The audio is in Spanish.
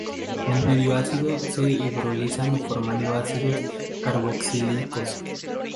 En medio ácido se hidrolizan formando ácidos carboxílicos.